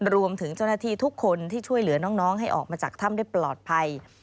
รวมถึงเจ้าหน้าที่ทุกคนที่ช่วยเหลือน้องให้ออกมาจากถ้ำได้ปลอดภัย